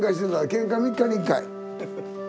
けんか３日に１回。